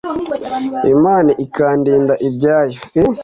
imana ikandinda ibyayo,